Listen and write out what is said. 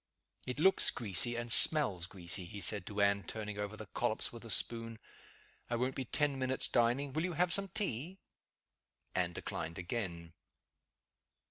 "It looks greasy, and smells greasy," he said to Anne, turning over the collops with a spoon. "I won't be ten minutes dining. Will you have some tea?" Anne declined again.